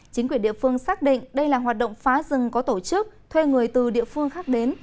chính quyền địa phương xác định đây là hoạt động phá rừng có tổ chức thuê người từ địa phương khác đến